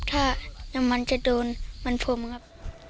ถ้ามันจะดูนมันพุ่มครับ